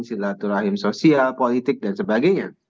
silaturahim sosial politik dan sebagainya